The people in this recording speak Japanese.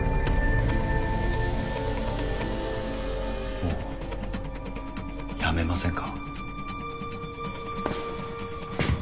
もうやめませんか？